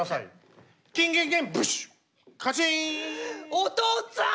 お父っつぁん！